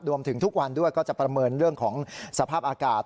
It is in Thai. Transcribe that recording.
ทุกวันด้วยก็จะประเมินเรื่องของสภาพอากาศ